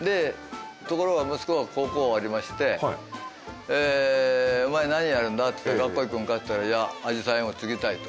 ところが息子が高校終わりまして「お前何やるんだ？」って「学校行くんか？」って言ったら「いやあじさい園を継ぎたい」と。